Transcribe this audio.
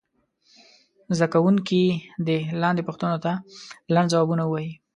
زده کوونکي دې لاندې پوښتنو ته لنډ ځوابونه ووایي.